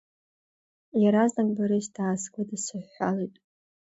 Иаразнак Борис даасгәыдсыҳәҳәалеит.